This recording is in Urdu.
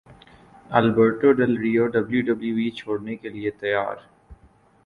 Alberto Del Rio W W E چھوڑنے کے لیے تیار